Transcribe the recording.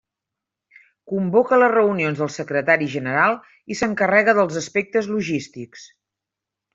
Convoca les reunions del secretari general i s'encarrega dels aspectes logístics.